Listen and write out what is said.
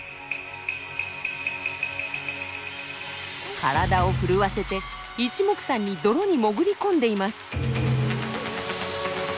体を震わせていちもくさんに泥に潜り込んでいます。